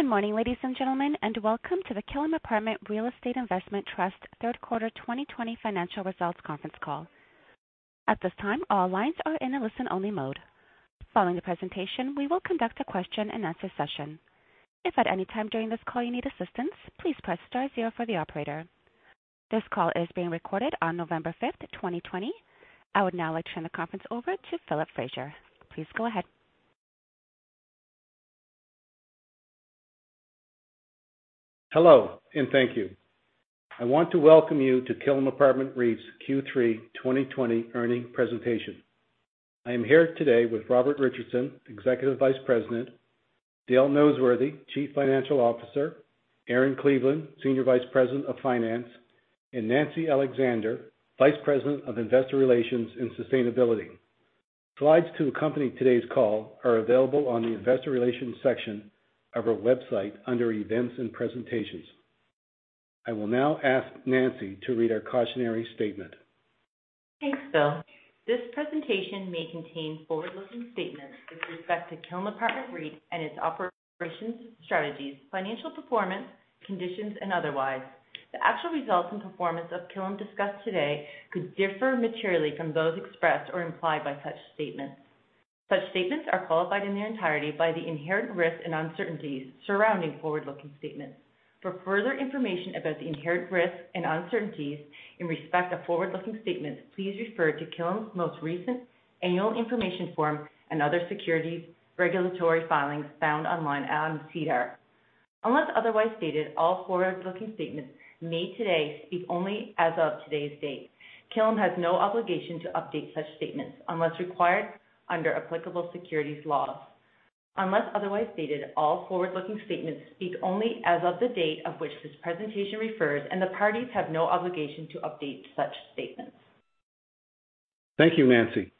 Good morning, ladies and gentlemen, and welcome to the Killam Apartment Real Estate Investment Trust third quarter 2020 financial results conference call. At this time, all lines are in a listen-only mode. Following the presentation, we will conduct a question and answer session. If at any time during this call you need assistance, please press star zero for the operator. This call is being recorded on November 5th, 2020. I would now like to turn the conference over to Philip Fraser. Please go ahead. Hello, and thank you. I want to welcome you to Killam Apartment REIT's Q3 2020 earning presentation. I am here today with Robert Richardson, Executive Vice President, Dale Noseworthy, Chief Financial Officer, Erin Cleveland, Senior Vice President of Finance, and Nancy Alexander, Vice President of Investor Relations and Sustainability. Slides to accompany today's call are available on the investor relations section of our website under events and presentations. I will now ask Nancy to read our cautionary statement. Thanks, Phil. This presentation may contain forward-looking statements with respect to Killam Apartment REIT and its operations, strategies, financial performance, conditions, and otherwise. The actual results and performance of Killam discussed today could differ materially from those expressed or implied by such statements. Such statements are qualified in their entirety by the inherent risks and uncertainties surrounding forward-looking statements. For further information about the inherent risks and uncertainties in respect of forward-looking statements, please refer to Killam's most recent annual information form and other security regulatory filings found online on SEDAR. Unless otherwise stated, all forward-looking statements made today speak only as of today's date. Killam has no obligation to update such statements unless required under applicable securities laws. Unless otherwise stated, all forward-looking statements speak only as of the date of which this presentation refers, and the parties have no obligation to update such statements. Thank you, Nancy.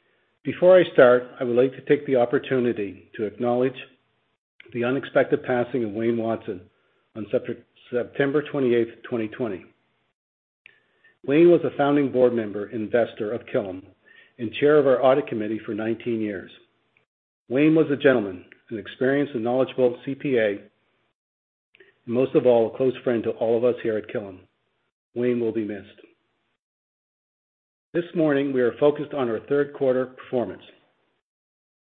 Before I start, I would like to take the opportunity to acknowledge the unexpected passing of Wayne Watson on September 28th, 2020. Wayne was a founding board member, investor of Killam, and chair of our audit committee for 19 years. Wayne was a gentleman, an experienced and knowledgeable CPA, and most of all, a close friend to all of us here at Killam. Wayne will be missed. This morning, we are focused on our third quarter performance.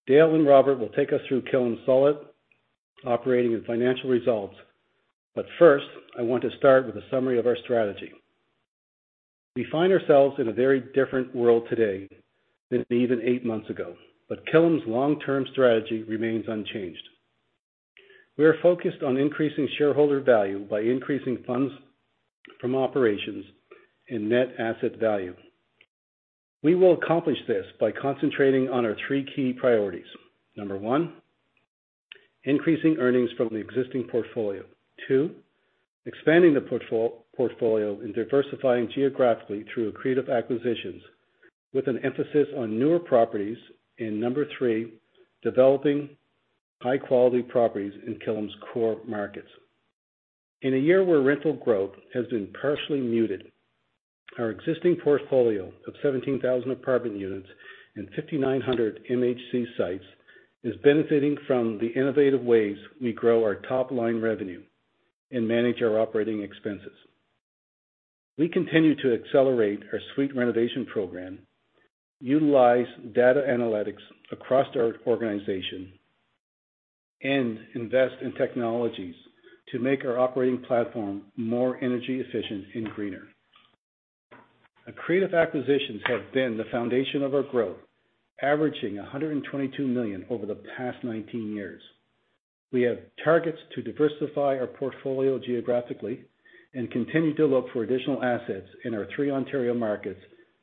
Dale and Robert will take us through Killam's solid operating and financial results. First, I want to start with a summary of our strategy. We find ourselves in a very different world today than even eight months ago. Killam's long-term strategy remains unchanged. We are focused on increasing shareholder value by increasing funds from operations and net asset value. We will accomplish this by concentrating on our three key priorities. Number one, increasing earnings from the existing portfolio. Two, expanding the portfolio and diversifying geographically through accretive acquisitions with an emphasis on newer properties. Number three, developing high-quality properties in Killam's core markets. In a year where rental growth has been partially muted, our existing portfolio of 17,000 apartment units and 5,900 MHC sites is benefiting from the innovative ways we grow our top-line revenue and manage our operating expenses. We continue to accelerate our suite renovation program, utilize data analytics across our organization, and invest in technologies to make our operating platform more energy efficient and greener. Accretive acquisitions have been the foundation of our growth, averaging 122 million over the past 19 years. We have targets to diversify our portfolio geographically and continue to look for additional assets in our three Ontario markets,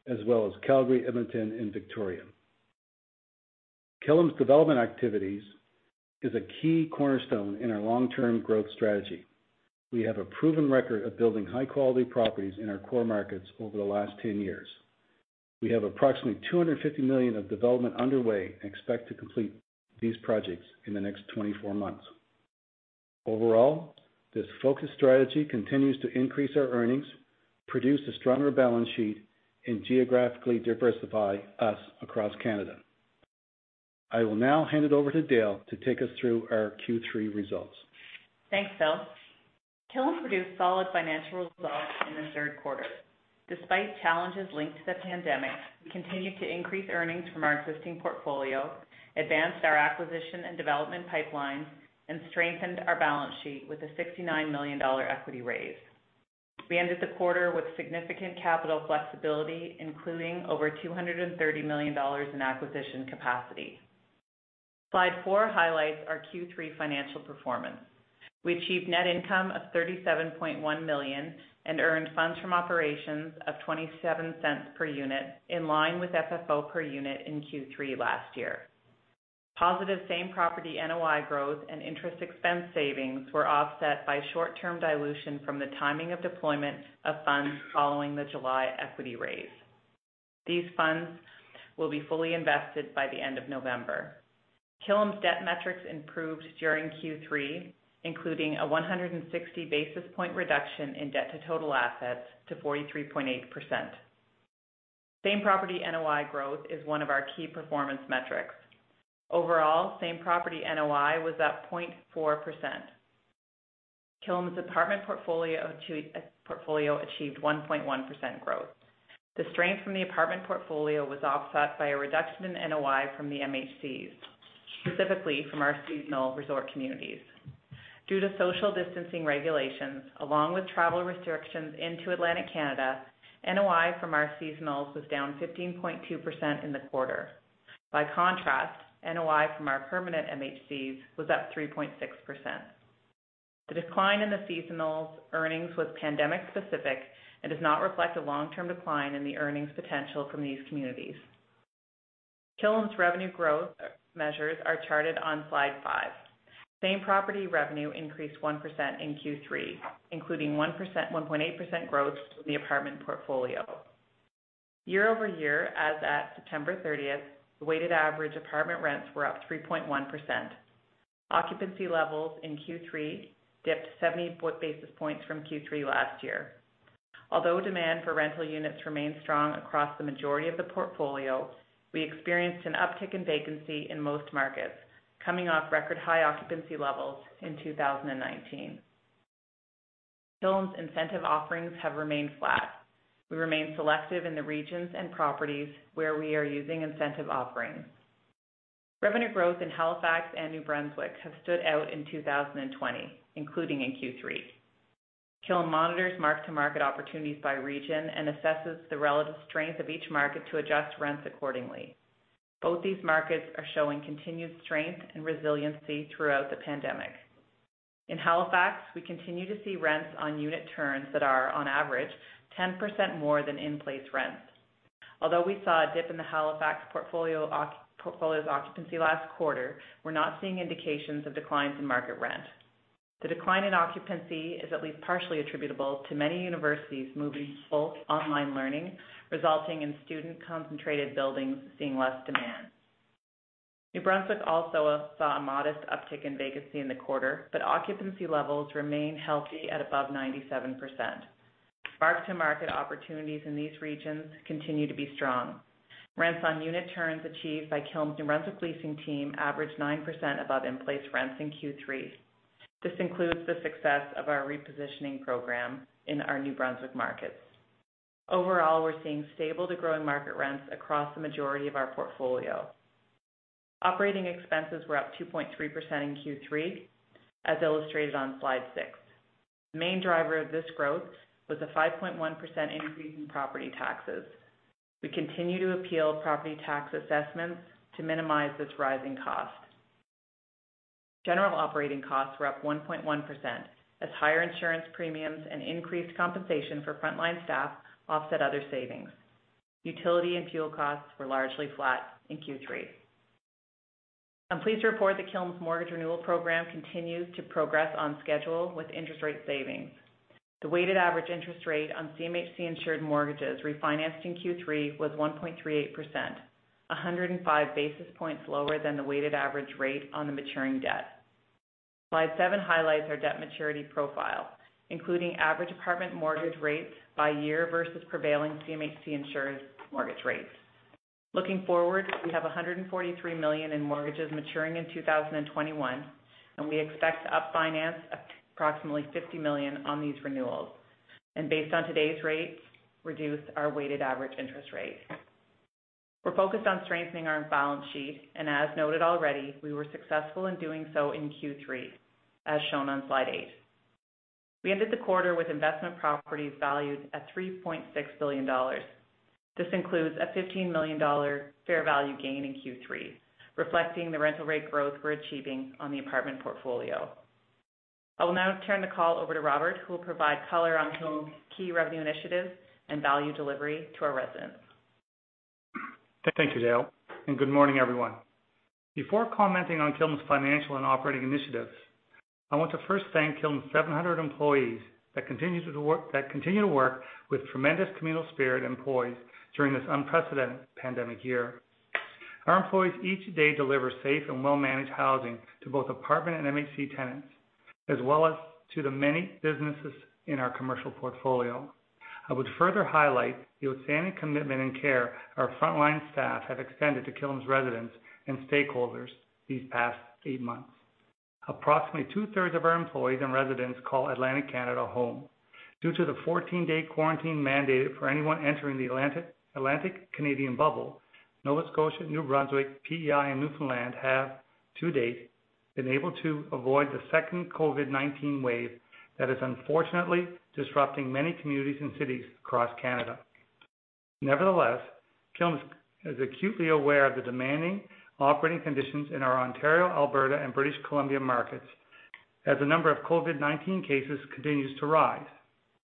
as well as Calgary, Edmonton, and Victoria. Killam's development activities is a key cornerstone in our long-term growth strategy. We have a proven record of building high-quality properties in our core markets over the last 10 years. We have approximately 250 million of development underway and expect to complete these projects in the next 24 months. This focused strategy continues to increase our earnings, produce a stronger balance sheet, and geographically diversify us across Canada. I will now hand it over to Dale to take us through our Q3 results. Thanks, Phil. Killam produced solid financial results in the third quarter. Despite challenges linked to the pandemic, we continued to increase earnings from our existing portfolio, advanced our acquisition and development pipeline, and strengthened our balance sheet with a 69 million dollar equity raise. We ended the quarter with significant capital flexibility, including over 230 million dollars in acquisition capacity. Slide four highlights our Q3 financial performance. We achieved net income of 37.1 million and earned funds from operations of 0.27 per unit, in line with FFO per unit in Q3 last year. Positive same-property NOI growth and interest expense savings were offset by short-term dilution from the timing of deployment of funds following the July equity raise. These funds will be fully invested by the end of November. Killam's debt metrics improved during Q3, including a 160 basis points reduction in debt to total assets to 43.8%. Same-property NOI growth is one of our key performance metrics. Overall, same-property NOI was up 0.4%. Killam's apartment portfolio achieved 1.1% growth. The strength from the apartment portfolio was offset by a reduction in NOI from the MHCs, specifically from our seasonal resort communities. Due to social distancing regulations, along with travel restrictions into Atlantic Canada, NOI from our seasonals was down 15.2% in the quarter. By contrast, NOI from our permanent MHCs was up 3.6%. The decline in the seasonal's earnings was pandemic-specific and does not reflect a long-term decline in the earnings potential from these communities. Killam's revenue growth measures are charted on slide five. Same-property revenue increased 1% in Q3, including 1.8% growth from the apartment portfolio. Year-over-year, as at September 30th, the weighted average apartment rents were up 3.1%. Occupancy levels in Q3 dipped 70 basis points from Q3 last year. Although demand for rental units remains strong across the majority of the portfolio, we experienced an uptick in vacancy in most markets, coming off record-high occupancy levels in 2019. Killam's incentive offerings have remained flat. We remain selective in the regions and properties where we are using incentive offerings. Revenue growth in Halifax and New Brunswick has stood out in 2020, including in Q3. Killam monitors mark-to-market opportunities by region and assesses the relative strength of each market to adjust rents accordingly. Both these markets are showing continued strength and resiliency throughout the pandemic. In Halifax, we continue to see rents on unit turns that are, on average, 10% more than in-place rents. Although we saw a dip in the Halifax portfolio's occupancy last quarter, we're not seeing indications of declines in mark-to-market rent. The decline in occupancy is at least partially attributable to many universities moving full online learning, resulting in student-concentrated buildings seeing less demand. New Brunswick also saw a modest uptick in vacancy in the quarter, but occupancy levels remain healthy at above 97%. Mark-to-market opportunities in these regions continue to be strong. Rents on unit turns achieved by Killam's New Brunswick leasing team averaged 9% above in-place rents in Q3. This includes the success of our repositioning program in our New Brunswick markets. Overall, we're seeing stable to growing market rents across the majority of our portfolio. Operating expenses were up 2.3% in Q3, as illustrated on slide six. The main driver of this growth was a 5.1% increase in property taxes. We continue to appeal property tax assessments to minimize this rising cost. General operating costs were up 1.1%, as higher insurance premiums and increased compensation for frontline staff offset other savings. Utility and fuel costs were largely flat in Q3. I'm pleased to report that Killam's mortgage renewal program continues to progress on schedule with interest rate savings. The weighted average interest rate on CMHC-insured mortgages refinanced in Q3 was 1.38%, 105 basis points lower than the weighted average rate on the maturing debt. Slide seven highlights our debt maturity profile, including average apartment mortgage rates by year versus prevailing CMHC insurance mortgage rates. Looking forward, we have 143 million in mortgages maturing in 2021, and we expect to up-finance approximately 50 million on these renewals, and based on today's rates, reduce our weighted average interest rate. We're focused on strengthening our balance sheet. As noted already, we were successful in doing so in Q3, as shown on slide eight. We ended the quarter with investment properties valued at 3.6 billion dollars. This includes a 15 million dollar fair value gain in Q3, reflecting the rental rate growth we're achieving on the apartment portfolio. I will now turn the call over to Robert, who will provide color on Killam's key revenue initiatives and value delivery to our residents. Thank you, Dale, and good morning, everyone. Before commenting on Killam's financial and operating initiatives, I want to first thank Killam's 700 employees that continue to work with tremendous communal spirit and poise during this unprecedented pandemic year. Our employees each day deliver safe and well-managed housing to both apartment and MHC tenants, as well as to the many businesses in our commercial portfolio. I would further highlight the outstanding commitment and care our frontline staff have extended to Killam's residents and stakeholders these past eight months. Approximately two-thirds of our employees and residents call Atlantic Canada home. Due to the 14-day quarantine mandate for anyone entering the Atlantic community in Bubble, Nova Scotia, New Brunswick, PEI, and Newfoundland have, to date, been able to avoid the second COVID-19 wave that is unfortunately disrupting many communities and cities across Canada. Nevertheless, Killam is acutely aware of the demanding operating conditions in our Ontario, Alberta, and British Columbia markets, as the number of COVID-19 cases continues to rise.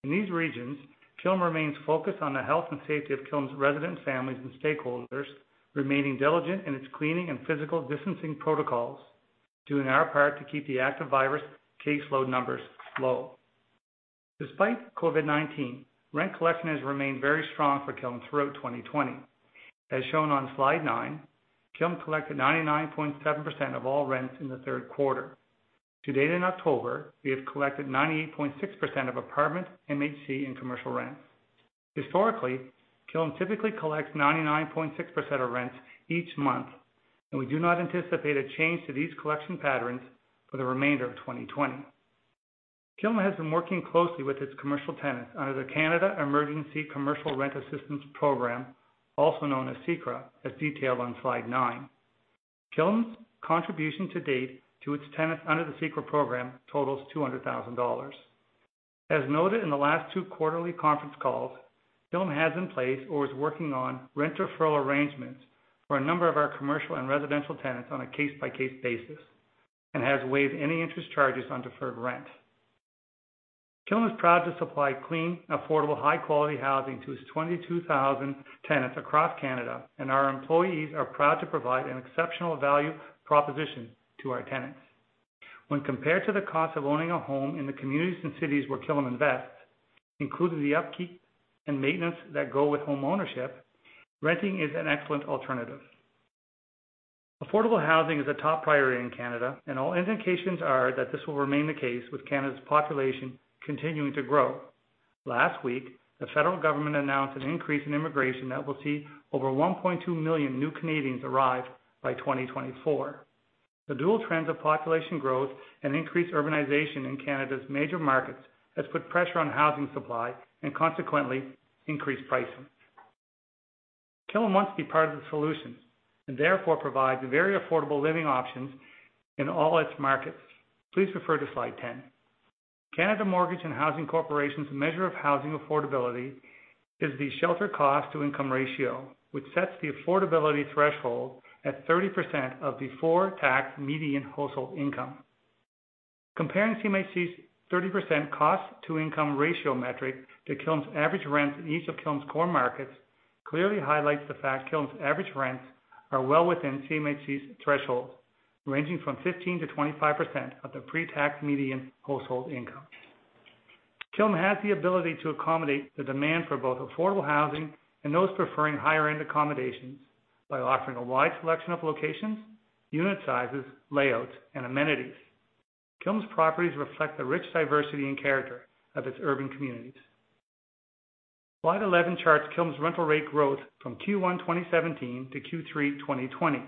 In these regions, Killam remains focused on the health and safety of Killam's resident families and stakeholders, remaining diligent in its cleaning and physical distancing protocols, doing our part to keep the active virus caseload numbers low. Despite COVID-19, rent collection has remained very strong for Killam throughout 2020. As shown on slide nine, Killam collected 99.7% of all rents in the third quarter. To date, in October, we have collected 98.6% of apartment, MHC, and commercial rents. Historically, Killam typically collects 99.6% of rents each month, and we do not anticipate a change to these collection patterns for the remainder of 2020. Killam has been working closely with its commercial tenants under the Canada Emergency Commercial Rent Assistance program, also known as CECRA, as detailed on slide nine. Killam's contribution to date to its tenants under the CECRA program totals 200,000 dollars. As noted in the last two quarterly conference calls, Killam has in place or is working on rent referral arrangements for a number of our commercial and residential tenants on a case-by-case basis and has waived any interest charges on deferred rent. Killam is proud to supply clean, affordable, high-quality housing to its 22,000 tenants across Canada, and our employees are proud to provide an exceptional value proposition to our tenants. When compared to the cost of owning a home in the communities and cities where Killam invests, including the upkeep and maintenance that go with home ownership, renting is an excellent alternative. Affordable housing is a top priority in Canada, and all indications are that this will remain the case with Canada's population continuing to grow. Last week, the federal government announced an increase in immigration that will see over 1.2 million new Canadians arrive by 2024. The dual trends of population growth and increased urbanization in Canada's major markets has put pressure on housing supply and consequently increased pricing. Killam wants to be part of the solution and therefore provides very affordable living options in all its markets. Please refer to slide 10. Canada Mortgage and Housing Corporation's measure of housing affordability is the shelter cost-to-income ratio, which sets the affordability threshold at 30% of the before-tax median household income. Comparing CMHC's 30% cost-to-income ratio metric to Killam's average rents in each of Killam's core markets clearly highlights the fact Killam's average rents are well within CMHC's thresholds, ranging from 15%-25% of the pre-tax median household income. Killam has the ability to accommodate the demand for both affordable housing and those preferring higher-end accommodations by offering a wide selection of locations, unit sizes, layouts, and amenities. Killam's properties reflect the rich diversity and character of its urban communities. Slide 11 charts Killam's rental rate growth from Q1 2017 to Q3 2020,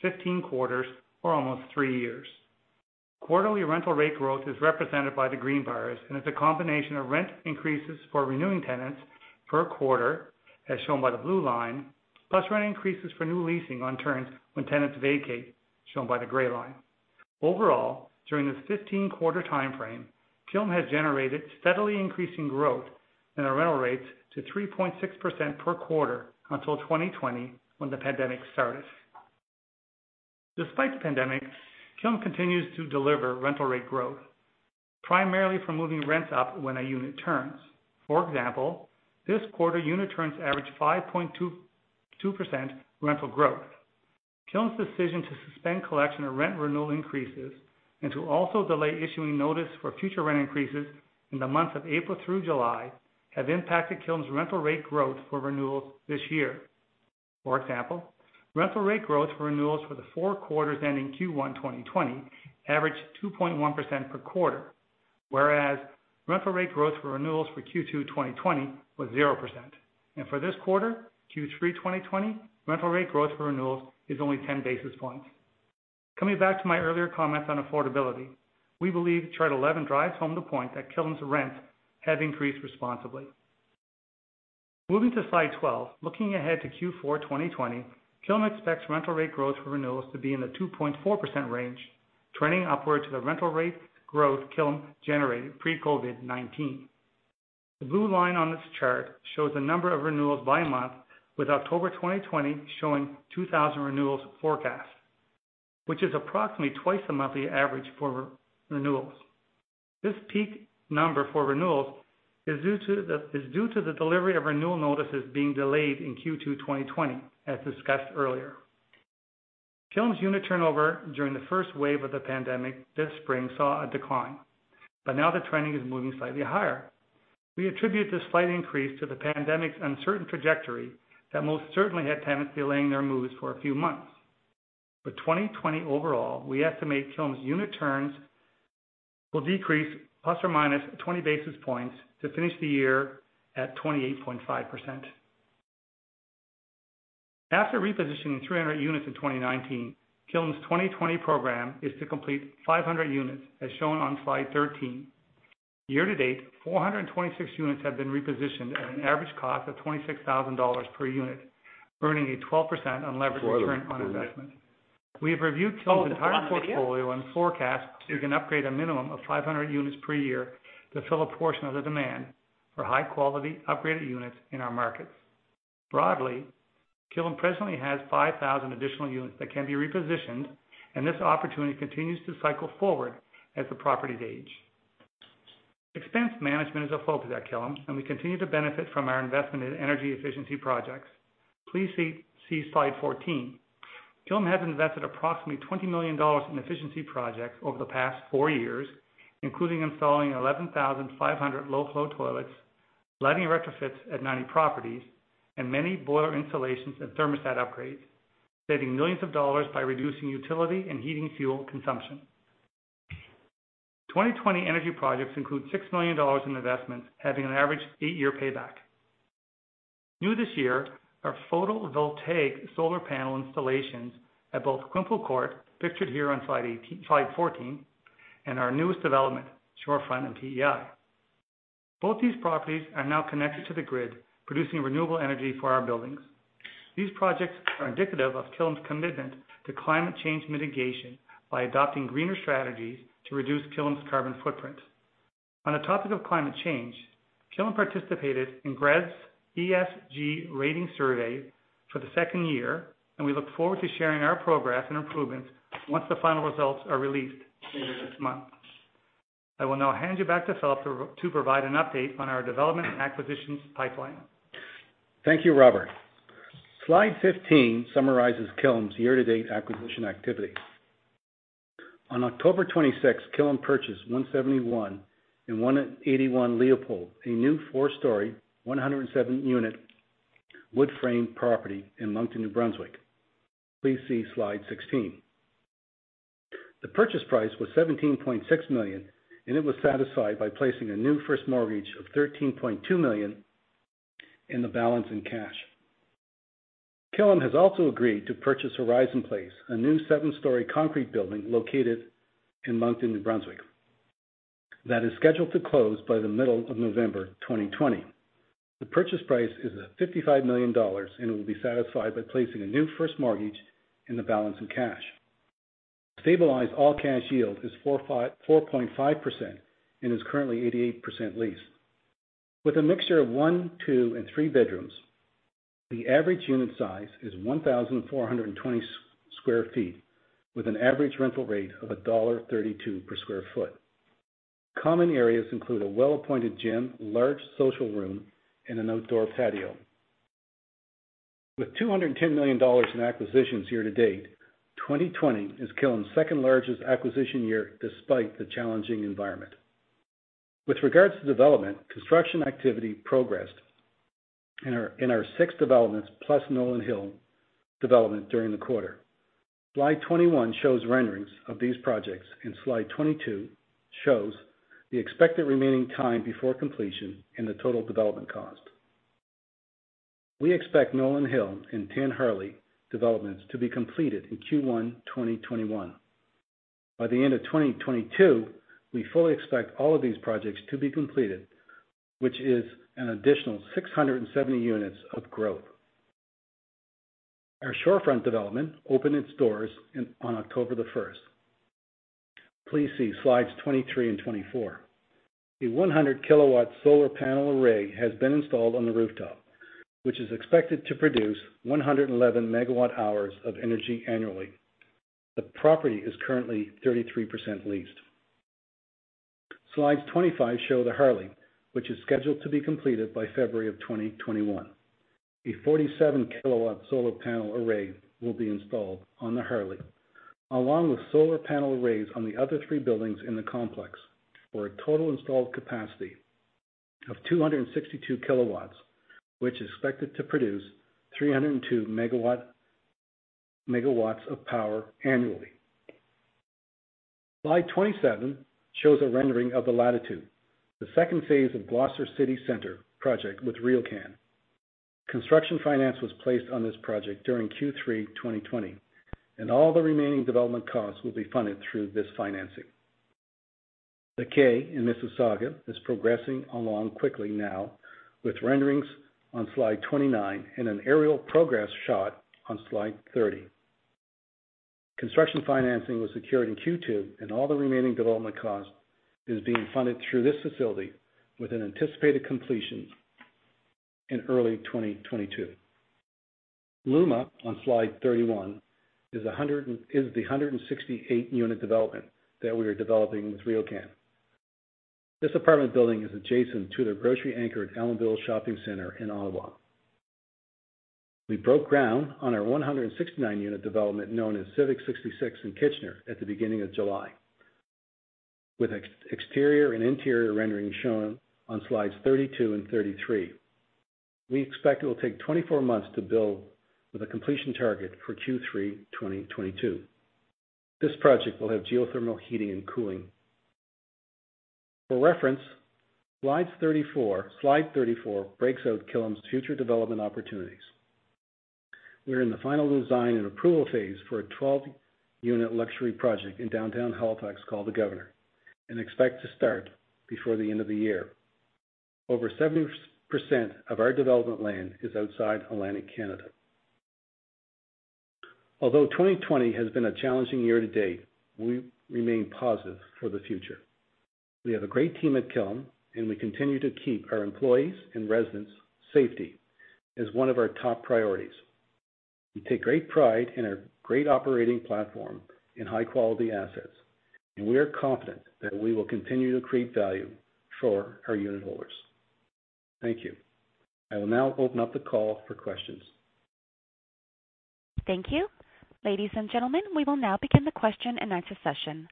15 quarters or almost three years. Quarterly rental rate growth is represented by the green bars and is a combination of rent increases for renewing tenants per quarter, as shown by the blue line, plus rent increases for new leasing on turns when tenants vacate, shown by the gray line. Overall, during this 15-quarter timeframe, Killam has generated steadily increasing growth in our rental rates to 3.6% per quarter until 2020, when the pandemic started. Despite the pandemic, Killam continues to deliver rental rate growth, primarily from moving rents up when a unit turns. For example, this quarter, unit turns averaged 5.2% rental growth. Killam's decision to suspend collection of rent renewal increases and to also delay issuing notice for future rent increases in the months of April through July have impacted Killam's rental rate growth for renewals this year. For example, rental rate growth for renewals for the four quarters ending Q1 2020 averaged 2.1% per quarter, whereas rental rate growth for renewals for Q2 2020 was 0%. For this quarter, Q3 2020, rental rate growth for renewals is only 10 basis points. Coming back to my earlier comments on affordability, we believe chart 11 drives home the point that Killam's rents have increased responsibly. Moving to slide 12, looking ahead to Q4 2020, Killam expects rental rate growth for renewals to be in the 2.4% range, trending upward to the rental rate growth Killam generated pre-COVID-19. The blue line on this chart shows the number of renewals by month, with October 2020 showing 2,000 renewals forecast, which is approximately twice the monthly average for renewals. This peak number for renewals is due to the delivery of renewal notices being delayed in Q2 2020, as discussed earlier. Killam's unit turnover during the first wave of the pandemic this spring saw a decline, but now the trending is moving slightly higher. We attribute this slight increase to the pandemic's uncertain trajectory that most certainly had tenants delaying their moves for a few months. For 2020 overall, we estimate Killam's unit turns will decrease ±20 basis points to finish the year at 28.5%. After repositioning 300 units in 2019, Killam's 2020 program is to complete 500 units, as shown on slide 13. Year to date, 426 units have been repositioned at an average cost of 26,000 dollars per unit, earning a 12% unlevered return on investment. We have reviewed Killam's entire portfolio and forecast we can upgrade a minimum of 500 units per year to fill a portion of the demand for high-quality, upgraded units in our markets. Broadly, Killam presently has 5,000 additional units that can be repositioned, and this opportunity continues to cycle forward as the properties age. Expense management is a focus at Killam, and we continue to benefit from our investment in energy efficiency projects. Please see slide 14. Killam has invested approximately 20 million dollars in efficiency projects over the past four years, including installing 11,500 low-flow toilets, lighting retrofits at 90 properties, and many boiler installations and thermostat upgrades, saving millions of CAD by reducing utility and heating fuel consumption. 2020 energy projects include 6 million dollars in investments, having an average eight-year payback. New this year are photovoltaic solar panel installations at both Quinpool Court, pictured here on slide 14, and our newest development, Shorefront on PEI. Both these properties are now connected to the grid, producing renewable energy for our buildings. These projects are indicative of Killam's commitment to climate change mitigation by adopting greener strategies to reduce Killam's carbon footprint. On the topic of climate change, Killam participated in GRESB ESG rating survey for the second year, and we look forward to sharing our progress and improvements once the final results are released later this month. I will now hand you back to Philip to provide an update on our development and acquisitions pipeline. Thank you, Robert. Slide 15 summarizes Killam's year-to-date acquisition activity. On October 26th, Killam purchased 171 and 181 Leopold, a new four-story, 107-unit wood-frame property in Moncton, New Brunswick. Please see Slide 16. The purchase price was 17.6 million, and it was satisfied by placing a new first mortgage of 13.2 million, and the balance in cash. Killam has also agreed to purchase Horizon Place, a new seven-story concrete building located in Moncton, New Brunswick, that is scheduled to close by the middle of November 2020. The purchase price is at 55 million dollars, and it will be satisfied by placing a new first mortgage, and the balance in cash. Stabilized all-cash yield is 4.5% and is currently 88% leased. With a mixture of one, two, and three bedrooms, the average unit size is 1,426 sq ft, with an average rental rate of dollar 1.32 per square foot. Common areas include a well-appointed gym, large social room, and an outdoor patio. With 210 million dollars in acquisitions year to date, 2020 is Killam's second-largest acquisition year despite the challenging environment. With regards to development, construction activity progressed in our six developments, plus Nolan Hill development during the quarter. Slide 21 shows renderings of these projects, and slide 22 shows the expected remaining time before completion and the total development cost. We expect Nolan Hill and 10 Harley developments to be completed in Q1 2021. By the end of 2022, we fully expect all of these projects to be completed, which is an additional 670 units of growth. Our Shorefront development opened its doors on October the 1st. Please see slides 23 and 24. A 100 kW solar panel array has been installed on the rooftop, which is expected to produce 111 MWh of energy annually. The property is currently 33% leased. Slide 25 show The Harley, which is scheduled to be completed by February of 2021. A 47 kW solar panel array will be installed on The Harley, along with solar panel arrays on the other three buildings in the complex, for a total installed capacity of 262 kW, which is expected to produce 302 MW of power annually. Slide 27 shows a rendering of The Latitude, the second phase of Gloucester City Centre project with RioCan. Construction finance was placed on this project during Q3 2020, and all the remaining development costs will be funded through this financing. The Kay in Mississauga is progressing along quickly now, with renderings on slide 29 and an aerial progress shot on slide 30. Construction financing was secured in Q2, and all the remaining development cost is being funded through this facility, with an anticipated completion in early 2022. Luma, on slide 31, is the 168-unit development that we are developing with RioCan. This apartment building is adjacent to the grocery anchor at Elmvale Acres Shopping Centre in Ottawa. We broke ground on our 169-unit development known as Civic 66 in Kitchener at the beginning of July, with exterior and interior rendering shown on slides 32 and 33. We expect it will take 24 months to build, with a completion target for Q3 2022. This project will have geothermal heating and cooling. For reference, Slide 34 breaks out Killam's future development opportunities. We're in the final design and approval phase for a 12-unit luxury project in downtown Halifax called The Governor and expect to start before the end of the year. Over 70% of our development land is outside Atlantic Canada. Although 2020 has been a challenging year to date, we remain positive for the future. We have a great team at Killam, we continue to keep our employees' and residents' safety as one of our top priorities. We take great pride in our great operating platform and high-quality assets, we are confident that we will continue to create value for our unitholders. Thank you. I will now open up the call for questions. Thank you. Ladies and gentlemen, we will now begin the question-and-answer session.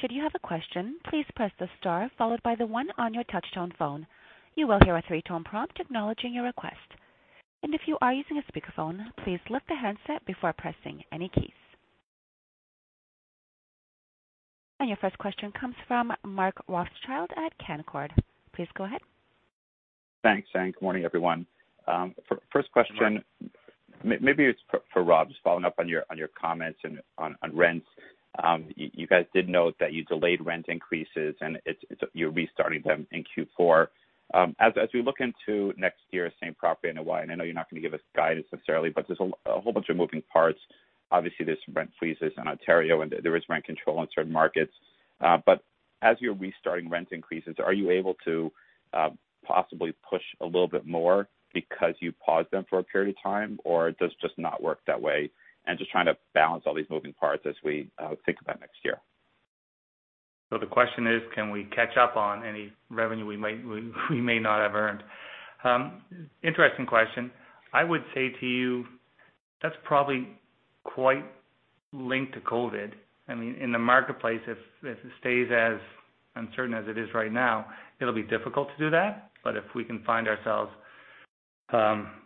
Should you have a question, please press the star followed by the one on your touch-tone phone. You will hear a three-tone prompt acknowledging your request. If you are using a speakerphone, please lift the handset before pressing any keys. Your first question comes from Mark Rothschild at Canaccord. Please go ahead. Thanks, and good morning, everyone. First question. Mark. Maybe it's for Rob, just following up on your comments on rents. You guys did note that you delayed rent increases, and you're restarting them in Q4. As we look into next year, same-property NOI, and I know you're not going to give us guidance necessarily, but there's a whole bunch of moving parts. Obviously, there's some rent freezes in Ontario, and there is rent control in certain markets. As you're restarting rent increases, are you able to possibly push a little bit more because you paused them for a period of time, or does it just not work that way? Just trying to balance all these moving parts as we think about next year. The question is, can we catch up on any revenue we may not have earned? Interesting question. I would say to you, that's probably quite linked to COVID. In the marketplace, if it stays as uncertain as it is right now, it'll be difficult to do that. If we can find ourselves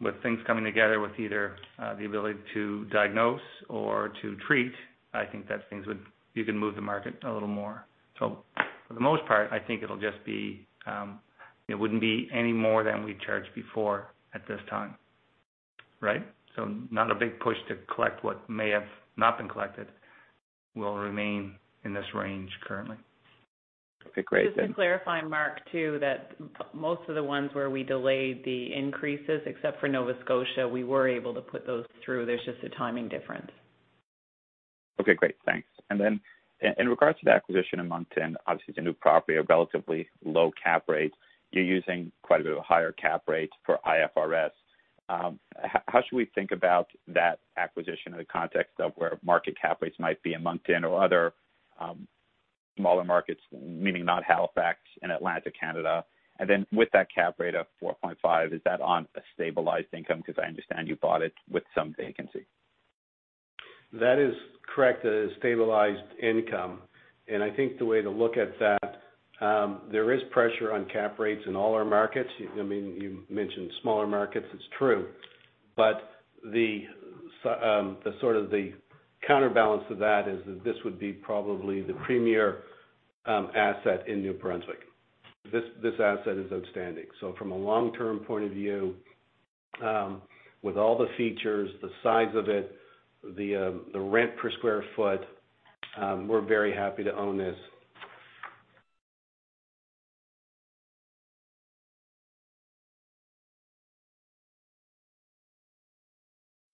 with things coming together with either the ability to diagnose or to treat, I think that you can move the market a little more. For the most part, I think it wouldn't be any more than we charged before at this time. Right? Not a big push to collect what may have not been collected will remain in this range currently. Okay, great. Just to clarify, Mark, too, that most of the ones where we delayed the increases, except for Nova Scotia, we were able to put those through. There's just a timing difference. Okay, great. Thanks. Then in regards to the acquisition in Moncton, obviously, it's a new property, a relatively low cap rate. You're using quite a bit of a higher cap rate for IFRS. How should we think about that acquisition in the context of where market cap rates might be in Moncton or other smaller markets, meaning not Halifax and Atlantic Canada? Then with that cap rate of 4.5%, is that on a stabilized income? Because I understand you bought it with some vacancy. That is correct. A stabilized income. I think the way to look at that, there is pressure on cap rates in all our markets. You mentioned smaller markets, it's true, but the counterbalance to that is that this would be probably the premier asset in New Brunswick. This asset is outstanding. From a long-term point of view, with all the features, the size of it, the rent per square foot, we're very happy to own this.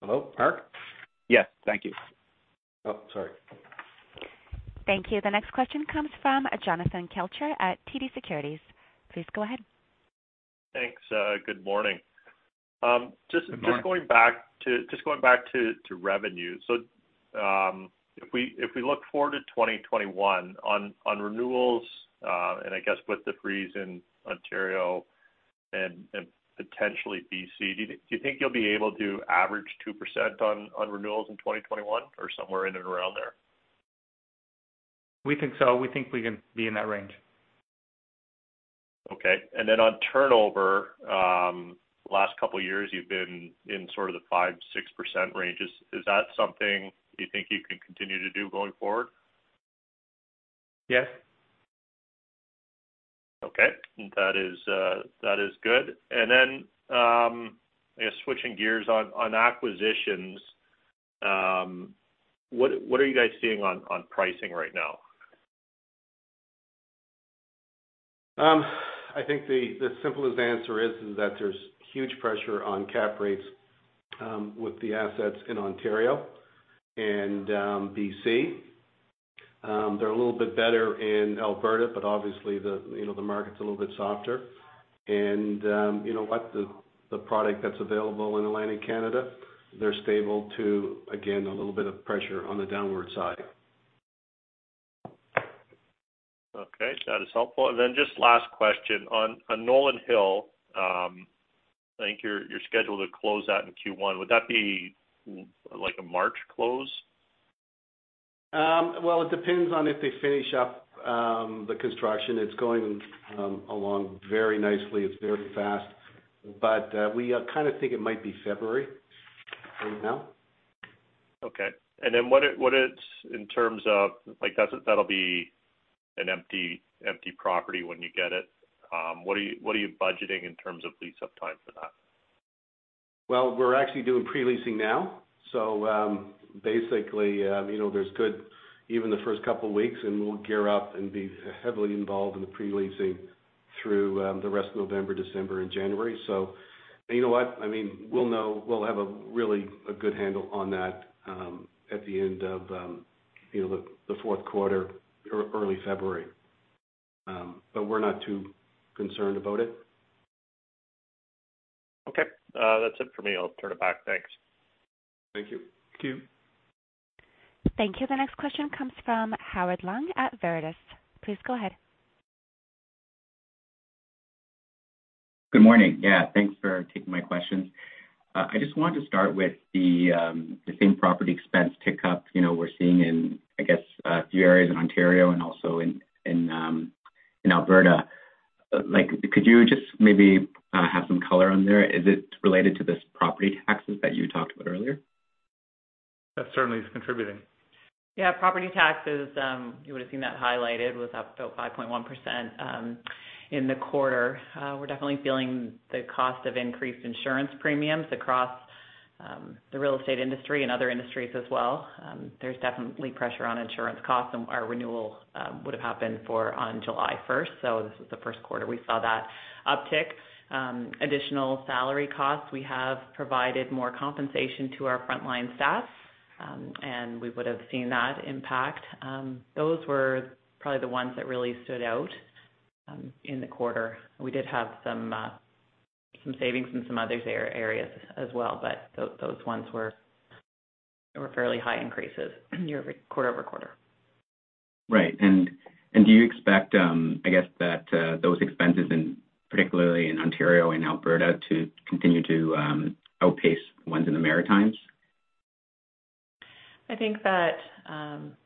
Hello, Mark? Yes. Thank you. Oh, sorry. Thank you. The next question comes from Jonathan Kelcher at TD Securities. Please go ahead. Thanks. Good morning. Good morning. Just going back to revenue. If we look forward to 2021 on renewals, and I guess with the freeze in Ontario and potentially B.C., do you think you'll be able to average 2% on renewals in 2021 or somewhere in and around there? We think so. We think we can be in that range. Okay. On turnover, last couple of years, you've been in sort of the 5%-6% range. Is that something you think you can continue to do going forward? Yes. Okay. That is good. I guess switching gears on acquisitions, what are you guys seeing on pricing right now? I think the simplest answer is that there's huge pressure on cap rates with the assets in Ontario and B.C. They're a little bit better in Alberta, but obviously the market's a little bit softer. You know what? The product that's available in Atlantic Canada, they're stable to, again, a little bit of pressure on the downward side. Okay, that is helpful. Then just last question, on Nolan Hill, I think you're scheduled to close that in Q1. Would that be like a March close? Well, it depends on if they finish up the construction. It's going along very nicely. It's very fast. We kind of think it might be February right now. Okay. That'll be an empty property when you get it. What are you budgeting in terms of lease-up time for that? Well, we're actually doing pre-leasing now. Basically, there's good even the first couple of weeks, and we'll gear up and be heavily involved in the pre-leasing through the rest of November, December, and January. You know what? We'll have a really good handle on that at the end of the fourth quarter, early February. We're not too concerned about it. Okay. That's it for me. I'll turn it back. Thanks. Thank you. Thank you. Thank you. The next question comes from Howard Leung at Veritas. Please go ahead. Good morning. Yeah, thanks for taking my questions. I just wanted to start with the same-property expense tick-up we're seeing in, I guess, a few areas in Ontario and also in Alberta. Could you just maybe have some color on there? Is it related to this property taxes that you talked about earlier? That certainly is contributing. Property taxes, you would've seen that highlighted, was up about 5.1% in the quarter. We're definitely feeling the cost of increased insurance premiums across the real estate industry and other industries as well. There's definitely pressure on insurance costs. Our renewal would have happened on July 1st. This is the first quarter we saw that uptick. Additional salary costs, we have provided more compensation to our frontline staff. We would've seen that impact. Those were probably the ones that really stood out in the quarter. We did have some savings in some other areas as well. Those ones were fairly high increases quarter-over-quarter. Right. Do you expect, I guess, that those expenses, particularly in Ontario and Alberta, to continue to outpace ones in the Maritimes? I think that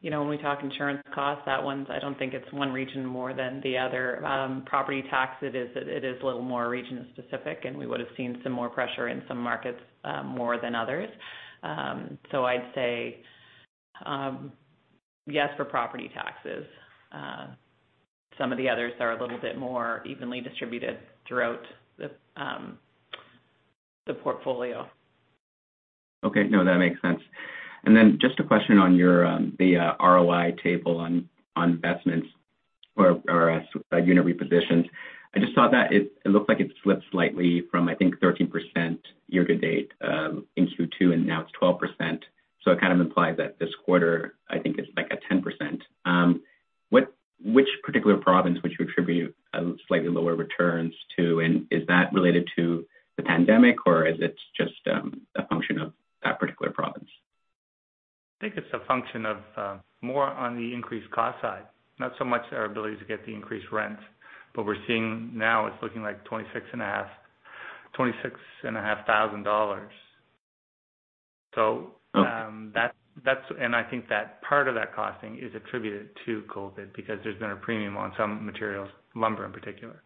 when we talk insurance costs, that one's, I don't think it's one region more than the other. Property tax, it is a little more region specific. We would've seen some more pressure in some markets more than others. I'd say yes for property taxes. Some of the others are a little bit more evenly distributed throughout the portfolio. Okay. No, that makes sense. Then just a question on the ROI table on investments or unit repositions. I just saw that it looks like it slipped slightly from, I think, 13% year to date in Q2, and now it's 12%. It kind of implies that this quarter, I think, is like a 10%. Which particular province would you attribute slightly lower returns to, and is that related to the pandemic, or is it just a function of that particular province? I think it's a function of more on the increased cost side, not so much our ability to get the increased rent. We're seeing now it's looking like 26,500 dollars. Okay. I think that part of that costing is attributed to COVID because there's been a premium on some materials, lumber in particular.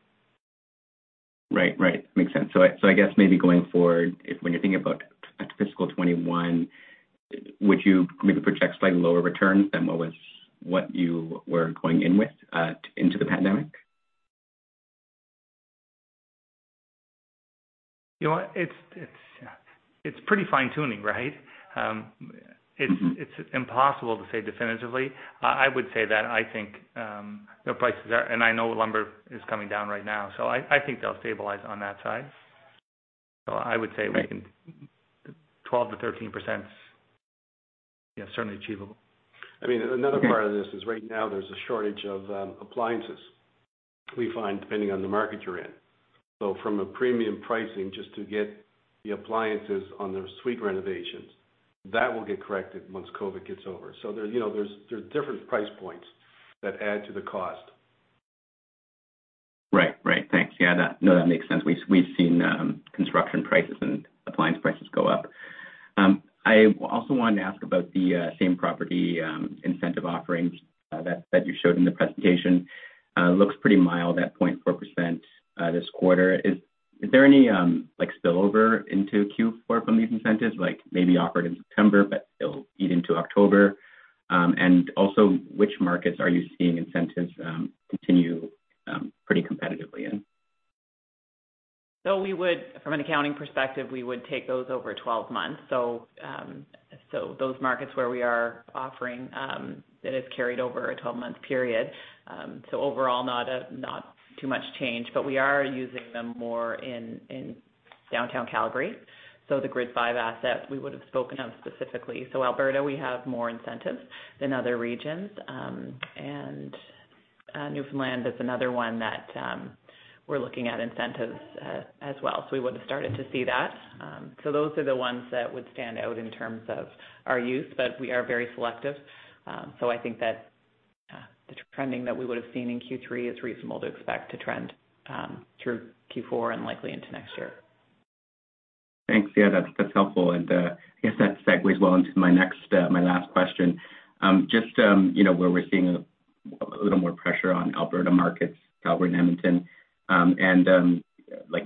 Right. Makes sense. I guess maybe going forward, when you're thinking about fiscal 2021, would you maybe project slightly lower returns than what you were going in with into the pandemic? You know what? It's pretty fine-tuning, right? It's impossible to say definitively. I know lumber is coming down right now, I think they'll stabilize on that side. Right. 12%-13% is certainly achievable. Okay. I mean, another part of this is right now there's a shortage of appliances, we find, depending on the market you're in. From a premium pricing, just to get the appliances on the suite renovations, that will get corrected once COVID gets over. There's different price points that add to the cost. Right. Thanks. Yeah, no, that makes sense. We've seen construction prices and appliance prices go up. I also wanted to ask about the same property incentive offerings that you showed in the presentation. Looks pretty mild, that 0.4% this quarter. Is there any spillover into Q4 from these incentives? Like maybe offered in September but it'll eat into October. Also, which markets are you seeing incentives continue pretty competitively in? From an accounting perspective, we would take those over 12 months. Those markets where we are offering, it is carried over a 12-month period. Overall, not too much change. We are using them more in downtown Calgary. The Grid 5 assets we would've spoken of specifically. Alberta, we have more incentives than other regions. Newfoundland is another one that we're looking at incentives as well. We would've started to see that. Those are the ones that would stand out in terms of our use, but we are very selective. I think that the trending that we would've seen in Q3 is reasonable to expect to trend through Q4 and likely into next year. Thanks. Yeah, that's helpful. I guess that segues well into my next, my last question. Just where we're seeing a little more pressure on Alberta markets, Calgary and Edmonton, and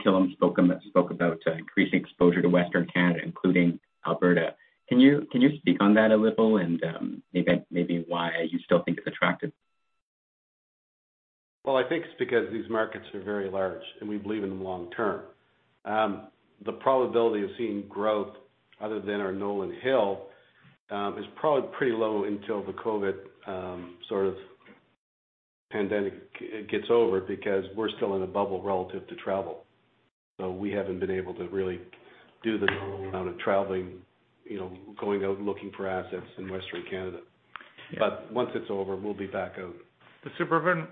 Killam spoke about increasing exposure to Western Canada, including Alberta. Can you speak on that a little and maybe why you still think it's attractive? I think it's because these markets are very large, and we believe in them long term. The probability of seeing growth other than our Nolan Hill is probably pretty low until the COVID-19 pandemic gets over because we're still in a bubble relative to travel. We haven't been able to really do the normal amount of traveling, going out looking for assets in Western Canada. Once it's over, we'll be back out. The suburban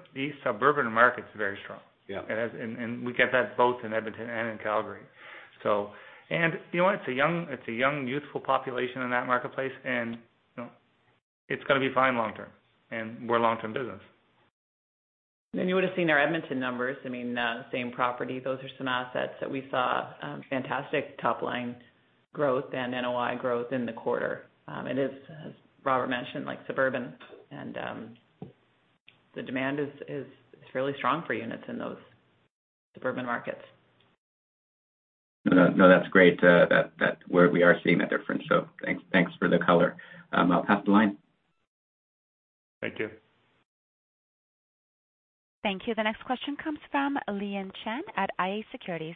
market's very strong. Yeah. We get that both in Edmonton and in Calgary. It's a young, youthful population in that marketplace, and it's going to be fine long term, and we're a long-term business. You would've seen our Edmonton numbers. Same property. Those are some assets that we saw fantastic top-line growth and NOI growth in the quarter. It is, as Robert mentioned, suburban, and the demand is fairly strong for units in those suburban markets. No, that's great that we are seeing that difference. Thanks for the color. I'll pass the line. Thank you. Thank you. The next question comes from Liyan Chen at iA Securities.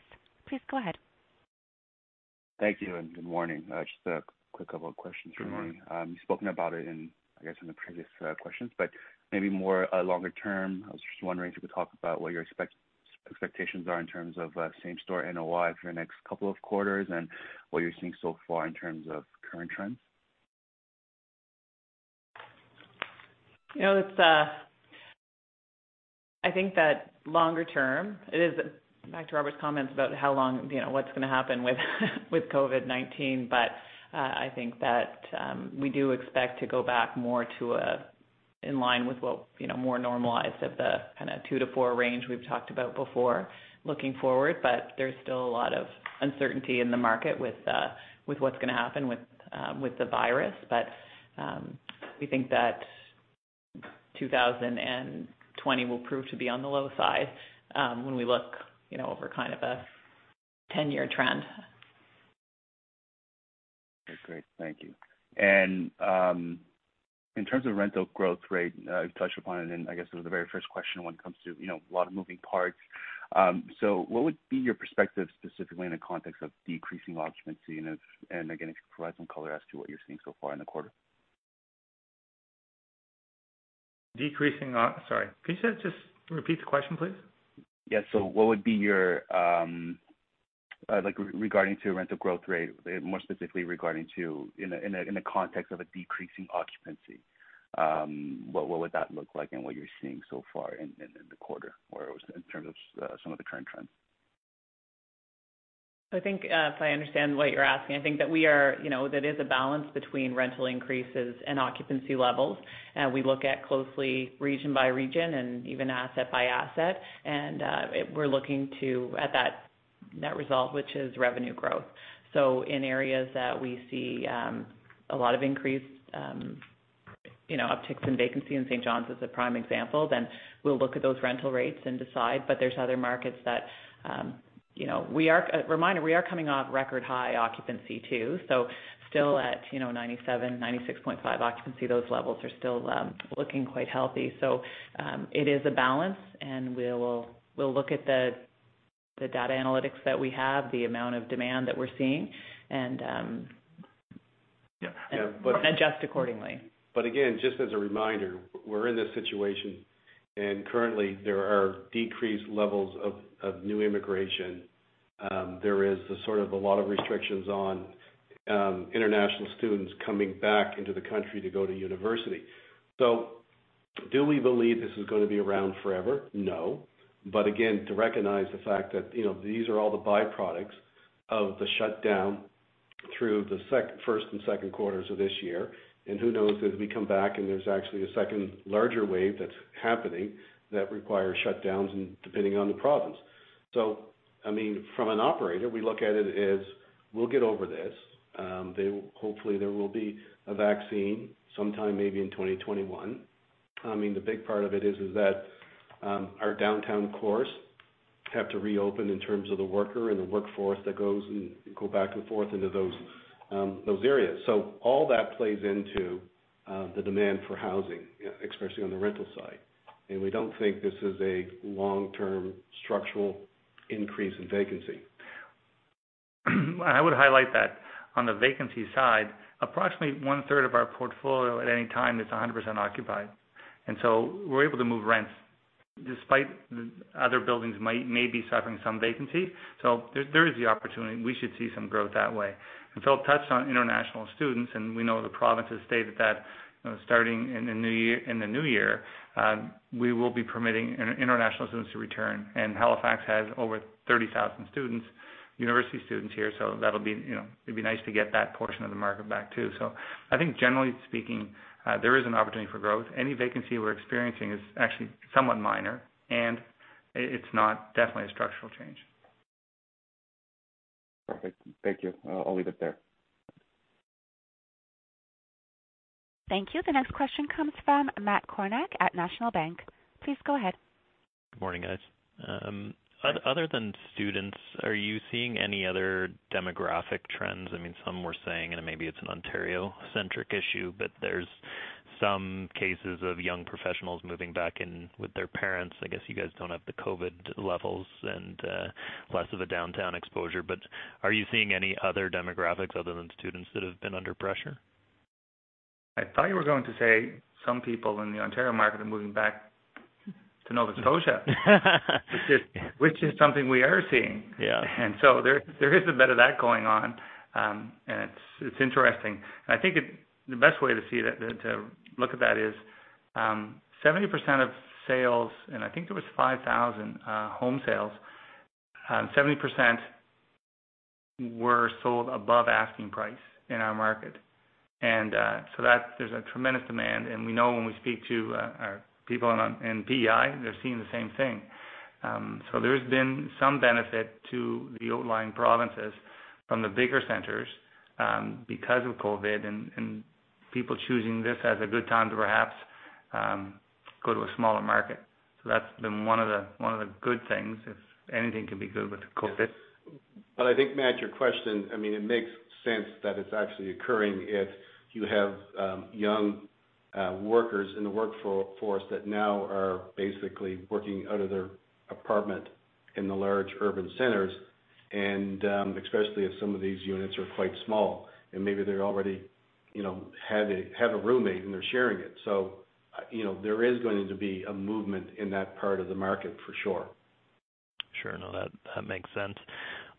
Please go ahead. Thank you, and good morning. Just a quick couple of questions for you. Good morning. You've spoken about it in, I guess, in the previous questions, but maybe more longer term, I was just wondering if you could talk about what your expectations are in terms of same-store NOI for the next couple of quarters and what you're seeing so far in terms of current trends. I think that longer term, it is back to Robert's comments about what's going to happen with COVID-19. I think that we do expect to go back more in line with what more normalized of the kind of two to four range we've talked about before looking forward. There's still a lot of uncertainty in the market with what's going to happen with the virus. We think that 2020 will prove to be on the low side when we look over kind of a 10-year trend. Great. Thank you. In terms of rental growth rate, you've touched upon it in, I guess, it was the very first question when it comes to a lot of moving parts. What would be your perspective specifically in the context of decreasing occupancy and again, if you could provide some color as to what you're seeing so far in the quarter? Sorry, could you just repeat the question, please? Yeah. What would be your, regarding to rental growth rate, more specifically regarding to in the context of a decreasing occupancy, what would that look like and what you're seeing so far in the quarter in terms of some of the current trends? I think if I understand what you're asking, I think that there is a balance between rental increases and occupancy levels. We look at closely region by region and even asset by asset. We're looking at that result, which is revenue growth. In areas that we see a lot of increased upticks in vacancy, and St. John's is a prime example, then we'll look at those rental rates and decide. There's other markets. A reminder, we are coming off record-high occupancy too, so still at 97%, 96.5% occupancy. Those levels are still looking quite healthy. It is a balance, and we'll look at the data analytics that we have, the amount of demand that we're seeing, and adjust accordingly. Again, just as a reminder, we're in this situation, and currently there are decreased levels of new immigration. There is a lot of restrictions on international students coming back into the country to go to university. Do we believe this is going to be around forever? No. Again, to recognize the fact that these are all the byproducts of the shutdown through the first and second quarters of this year, and who knows as we come back and there's actually a second larger wave that's happening that requires shutdowns and depending on the province. From an operator, we look at it as we'll get over this. Hopefully there will be a vaccine sometime maybe in 2021. The big part of it is that our downtown cores have to reopen in terms of the worker and the workforce that go back and forth into those areas. All that plays into the demand for housing, especially on the rental side. We don't think this is a long-term structural increase in vacancy. I would highlight that on the vacancy side, approximately one-third of our portfolio at any time is 100% occupied. We're able to move rents despite other buildings may be suffering some vacancy. There is the opportunity, and we should see some growth that way. Phil touched on international students, and we know the province has stated that starting in the new year, we will be permitting international students to return, and Halifax has over 30,000 university students here. It'd be nice to get that portion of the market back too. I think generally speaking, there is an opportunity for growth. Any vacancy we're experiencing is actually somewhat minor, and it's not definitely a structural change. Perfect. Thank you. I'll leave it there. Thank you. The next question comes from Matt Kornack at National Bank. Please go ahead. Good morning, guys. Other than students, are you seeing any other demographic trends? Some were saying, and maybe it's an Ontario-centric issue, but there's some cases of young professionals moving back in with their parents. I guess you guys don't have the COVID-19 levels and less of a downtown exposure. Are you seeing any other demographics other than students that have been under pressure? I thought you were going to say some people in the Ontario market are moving back to Nova Scotia. Which is something we are seeing. Yeah. There is a bit of that going on. It's interesting. I think the best way to look at that is 70% of sales, and I think it was 5,000 home sales, 70% were sold above asking price in our market. There's a tremendous demand, and we know when we speak to our people in PEI, they're seeing the same thing. There's been some benefit to the outlying provinces from the bigger centers, because of COVID and people choosing this as a good time to perhaps, go to a smaller market. That's been one of the good things, if anything can be good with COVID. Yes. I think, Matt, your question, it makes sense that it's actually occurring if you have young workers in the workforce that now are basically working out of their apartment in the large urban centers and, especially if some of these units are quite small and maybe they already have a roommate and they're sharing it. There is going to be a movement in that part of the market, for sure. Sure. No, that makes sense.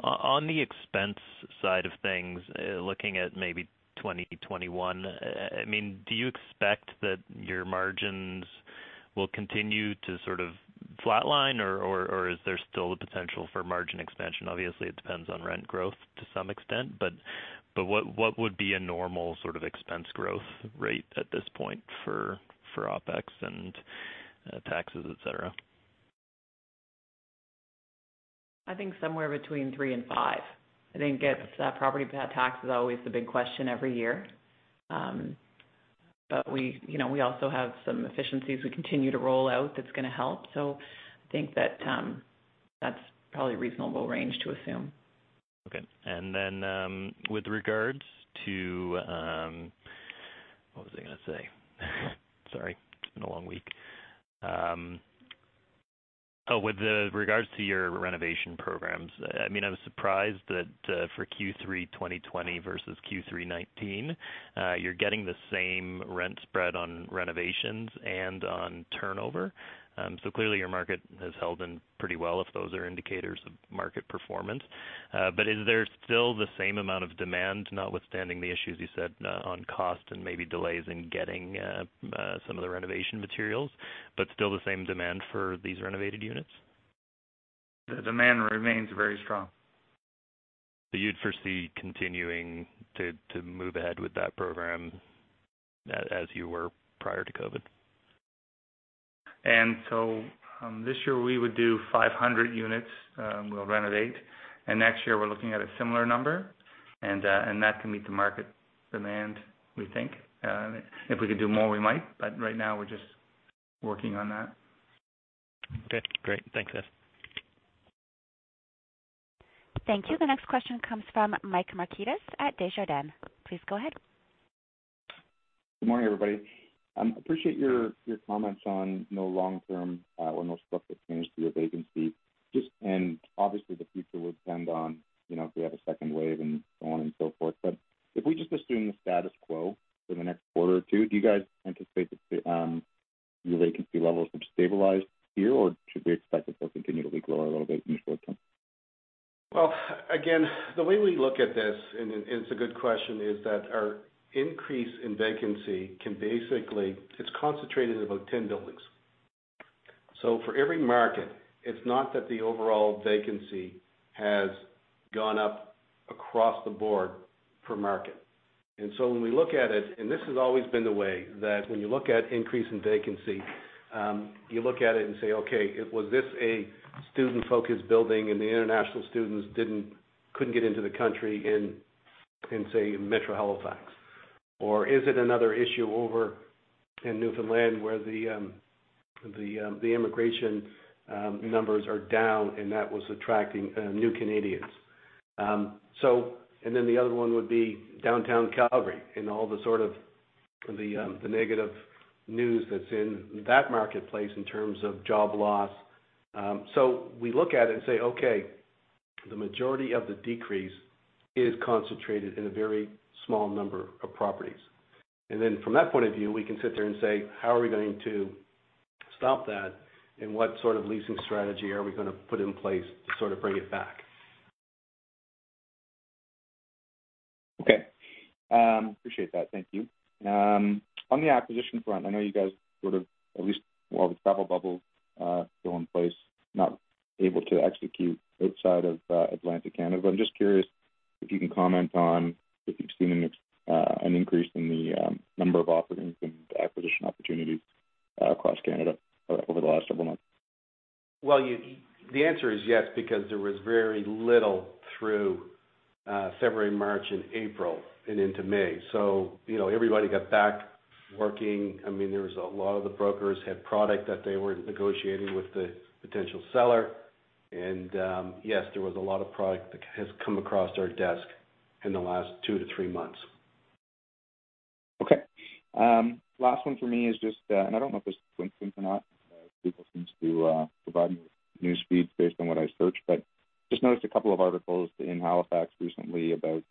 On the expense side of things, looking at maybe 2021, do you expect that your margins will continue to sort of flatline, or is there still the potential for margin expansion? Obviously, it depends on rent growth to some extent, but what would be a normal sort of expense growth rate at this point for OpEx and taxes, et cetera? I think somewhere between 3% and 5%. I think it's that property tax is always the big question every year. We also have some efficiencies we continue to roll out that's going to help. I think that's probably a reasonable range to assume. Okay. With regards to What was I going to say? Sorry, it's been a long week. With regards to your renovation programs, I was surprised that for Q3 2020 versus Q3 2019, you're getting the same rent spread on renovations and on turnover. Clearly your market has held in pretty well, if those are indicators of market performance. Is there still the same amount of demand, notwithstanding the issues you said on cost and maybe delays in getting some of the renovation materials, but still the same demand for these renovated units? The demand remains very strong. You'd foresee continuing to move ahead with that program as you were prior to COVID? This year we would do 500 units, we'll renovate. Next year we're looking at a similar number. That can meet the market demand, we think. If we could do more, we might, but right now we're just working on that. Okay, great. Thanks,. Thank you. The next question comes from Mike Markidis at Desjardins. Please go ahead. Good morning, everybody. Appreciate your comments on no long-term, or no substantive change to your vacancy. Just, obviously the future will depend on if we have a second wave and so on and so forth. If we just assume the status quo for the next quarter or two, do you guys anticipate that your vacancy levels have stabilized here, or should we expect it to continue to grow a little bit in the short term? Well, again, the way we look at this, and it's a good question, is that our increase in vacancy can basically, it's concentrated in about 10 buildings. For every market, it's not that the overall vacancy has gone up across the board per market. When we look at it, and this has always been the way, that when you look at increase in vacancy, you look at it and say, okay, was this a student-focused building and the international students couldn't get into the country in, say, metro Halifax? Is it another issue over in Newfoundland where the immigration numbers are down, and that was attracting new Canadians? The other one would be downtown Calgary and all the sort of negative news that's in that marketplace in terms of job loss. We look at it and say, okay, the majority of the decrease is concentrated in a very small number of properties. From that point of view, we can sit there and say, how are we going to stop that? What sort of leasing strategy are we going to put in place to sort of bring it back? Okay. Appreciate that. Thank you. On the acquisition front, I know you guys sort of at least while the Atlantic Bubble is still in place, not able to execute outside of Atlantic Canada. I'm just curious if you can comment on if you've seen an increase in the number of offerings and acquisition opportunities across Canada over the last several months. Well, the answer is yes, because there was very little through February, March, and April, and into May. Everybody got back working. There was a lot of the brokers had product that they were negotiating with the potential seller. Yes, there was a lot of product that has come across our desk in the last two to three months. Okay. Last one for me is just, I don't know if this is coincidence or not, Google seems to provide me with news feeds based on what I search. Just noticed a couple of articles in Halifax recently about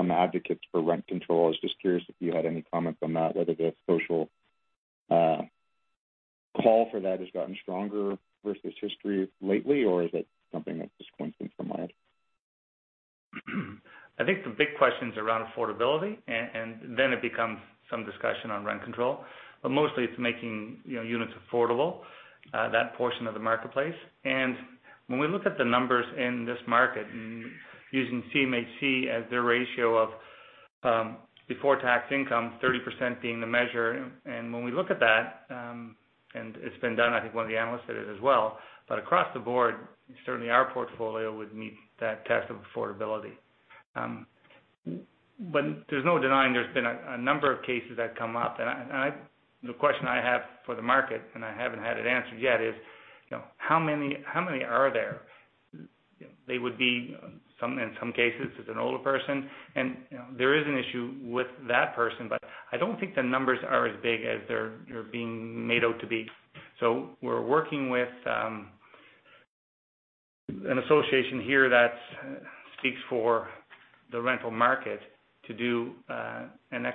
some advocates for rent control. I was just curious if you had any comment on that, whether the social call for that has gotten stronger versus history lately, is that something that's just coincidence in my eyes? I think the big question's around affordability, then it becomes some discussion on rent control. Mostly it's making units affordable, that portion of the marketplace. When we look at the numbers in this market, using CMHC as their ratio of before-tax income, 30% being the measure. When we look at that, it's been done, I think one of the analysts did it as well, across the board, certainly our portfolio would meet that test of affordability. There's no denying there's been a number of cases that come up, the question I have for the market, I haven't had it answered yet, is how many are there? They would be, in some cases, it's an older person. There is an issue with that person, I don't think the numbers are as big as they're being made out to be. We're working with an association here that speaks for the rental market to do an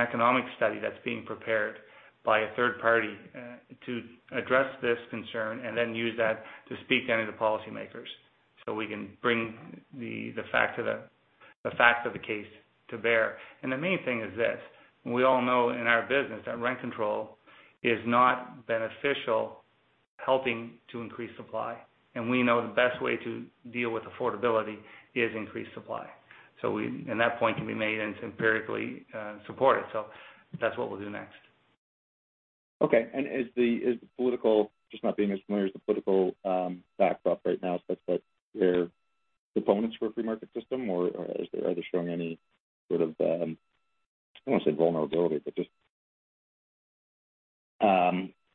economic study that's being prepared by a third party to address this concern and then use that to speak to any of the policymakers so we can bring the facts of the case to bear. The main thing is this: We all know in our business that rent control is not beneficial helping to increase supply. We know the best way to deal with affordability is increased supply. That point can be made, and it's empirically supported. That's what we'll do next. Okay. Just not being as familiar, is the political backdrop right now such that they're proponents for a free market system, or are they showing any sort of, I don't want to say vulnerability, but just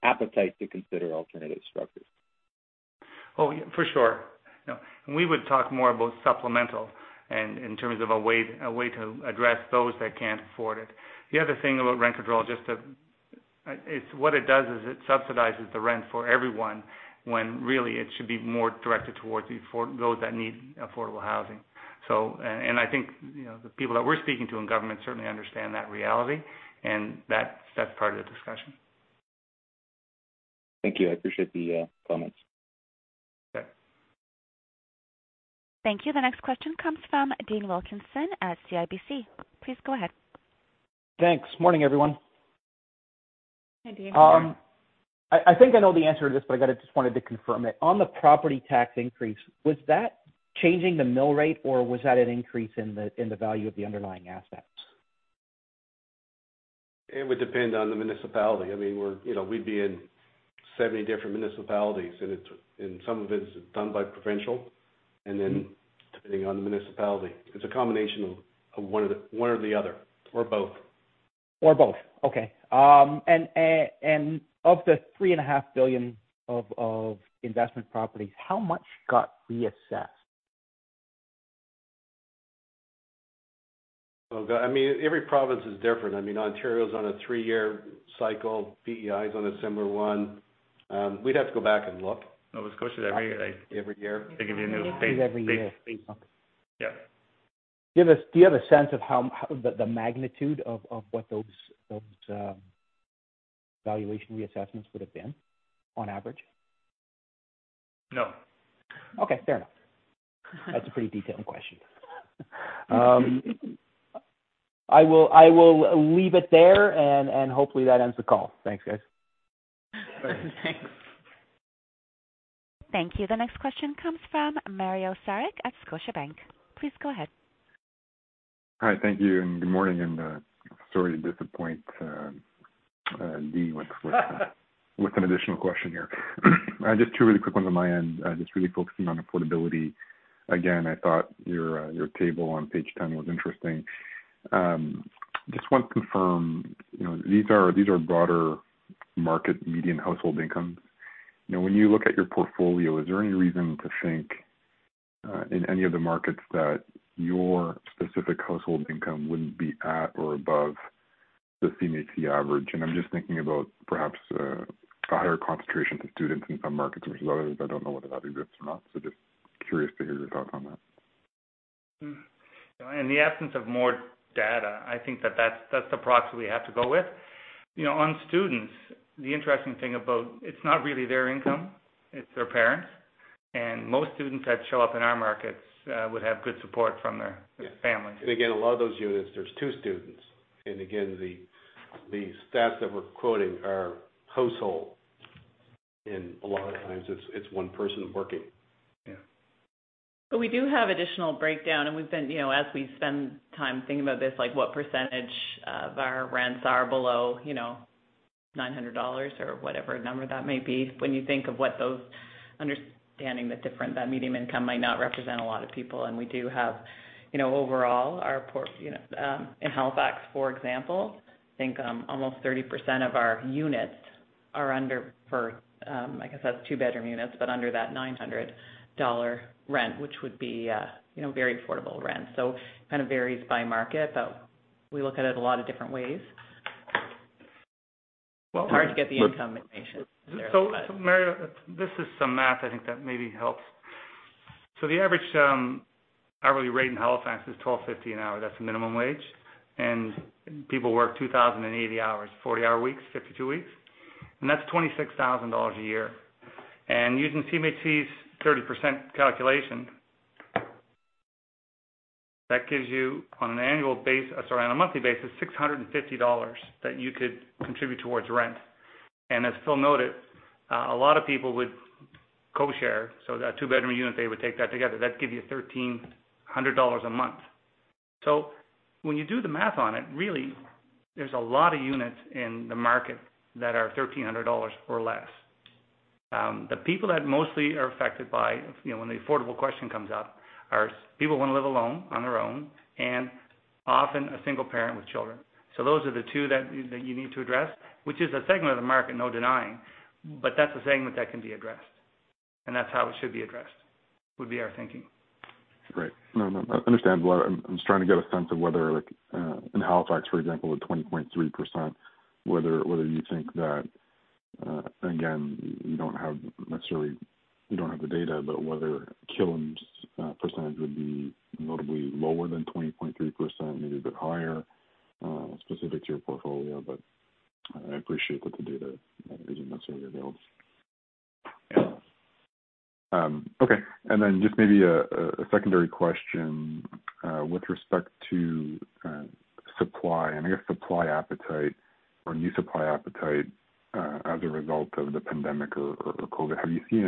appetite to consider alternative structures? Oh, for sure. We would talk more about supplemental and in terms of a way to address those that can't afford it. The other thing about rent control, what it does is it subsidizes the rent for everyone, when really it should be more directed towards those that need affordable housing. I think the people that we're speaking to in government certainly understand that reality, and that's part of the discussion. Thank you. I appreciate the comments. Okay. Thank you. The next question comes from Dean Wilkinson at CIBC. Please go ahead. Thanks. Morning, everyone. Hi, Dean. I think I know the answer to this, but I just wanted to confirm it. On the property tax increase, was that changing the mill rate, or was that an increase in the value of the underlying assets? It would depend on the municipality. We'd be in 70 different municipalities, and some of it is done by provincial, and then depending on the municipality. It's a combination of one or the other or both. Or both. Okay. Of the 3.5 billion of investment properties, how much got reassessed? Every province is different. Ontario's on a three-year cycle. PEI's on a similar one. We'd have to go back and look. Nova Scotia's every- Every year. They give you a new- Every year. I think it is every year. Yeah. Do you have a sense of the magnitude of what those valuation reassessments would've been on average? No. Okay, fair enough. That's a pretty detailed question. I will leave it there, and hopefully that ends the call. Thanks, guys. Thanks. Thanks. Thank you. The next question comes from Mario Saric at Scotiabank. Please go ahead. Hi. Thank you, good morning, and sorry to disappoint Dean with an additional question here. Just two really quick ones on my end, just really focusing on affordability. Again, I thought your table on page 10 was interesting. Just want to confirm, these are broader market median household incomes. When you look at your portfolio, is there any reason to think, in any of the markets, that your specific household income wouldn't be at or above the CMHC average? I'm just thinking about perhaps a higher concentration of students in some markets versus others. I don't know whether that exists or not, just curious to hear your thoughts on that. In the absence of more data, I think that's the proxy we have to go with. On students, the interesting thing. It's not really their income, it's their parents. Most students that show up in our markets would have good support from their families. Again, a lot of those units, there's two students. Again, the stats that we're quoting are household. A lot of times it's one person working. Yeah. We do have additional breakdown, and as we spend time thinking about this, like what percentage of our rents are below 900 dollars or whatever number that may be. When you think of understanding the different, that medium income might not represent a lot of people. In Halifax, for example, I think almost 30% of our units are under for, I guess that's two-bedroom units, but under that 900 dollar rent, which would be a very affordable rent. It kind of varies by market, but we look at it a lot of different ways. It's hard to get the income information. Mario, this is some math I think that maybe helps. The average hourly rate in Halifax is 12.50 an hour. That's the minimum wage. People work 2,080 hours, 40-hour weeks, 52 weeks, and that's 26,000 dollars a year. Using CMHC's 30% calculation, that gives you, on a monthly basis, 650 dollars that you could contribute towards rent. As Phil noted, a lot of people would co-share, so that two-bedroom unit, they would take that together. That'd give you 1,300 dollars a month. When you do the math on it, really, there's a lot of units in the market that are 1,300 dollars or less. The people that mostly are affected by when the affordable question comes up, are people who want to live alone, on their own, and often a single parent with children. Those are the two that you need to address, which is a segment of the market, no denying, but that is a segment that can be addressed, and that is how it should be addressed, would be our thinking. Great. No, I understand. I'm just trying to get a sense of whether, like in Halifax, for example, with 20.3%, whether you think that, again, you don't have the data, but whether Killam's percentage would be notably lower than 20.3%, maybe a bit higher, specific to your portfolio. I appreciate that the data isn't necessarily available. Just maybe a secondary question, with respect to supply, and I guess supply appetite or new supply appetite as a result of the pandemic or COVID-19. Have you seen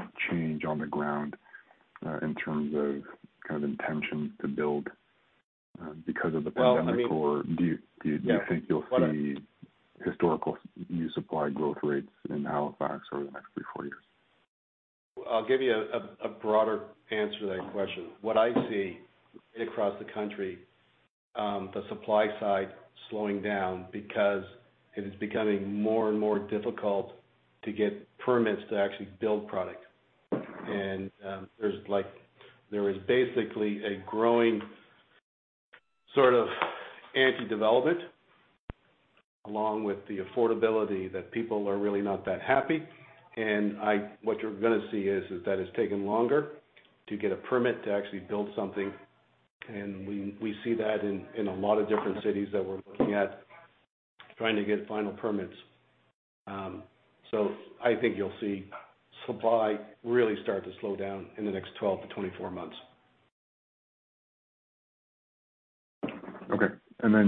any change on the ground in terms of kind of intentions to build because of the pandemic? Well, I mean. Or do you- Yeah. Think you'll see historical new supply growth rates in Halifax over the next three, four years? I'll give you a broader answer to that question. What I see across the country, the supply side slowing down because it is becoming more and more difficult to get permits to actually build product. There is basically a growing sort of anti-development, along with the affordability that people are really not that happy. What you're going to see is that it's taking longer to get a permit to actually build something, and we see that in a lot of different cities that we're looking at, trying to get final permits. I think you'll see supply really start to slow down in the next 12-24 months.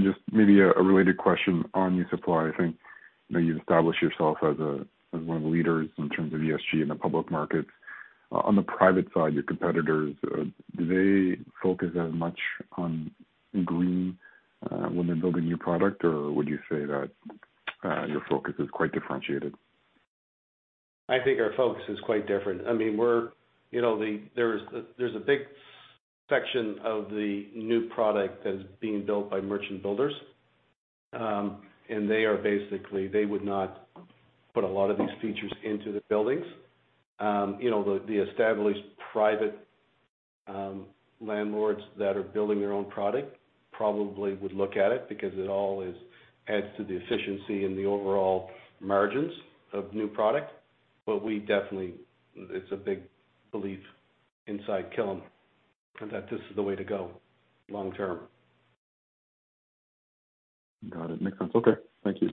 Just maybe a related question on new supply. I think you've established yourself as one of the leaders in terms of ESG in the public market. On the private side, your competitors, do they focus as much on green when they're building new product, or would you say that your focus is quite differentiated? I think our focus is quite different. There's a big section of the new product that is being built by merchant builders. They would not put a lot of these features into the buildings. The established private landlords that are building their own product probably would look at it because it all adds to the efficiency and the overall margins of new product. We definitely, it's a big belief inside Killam that this is the way to go long term. Got it. Makes sense. Okay. Thank you.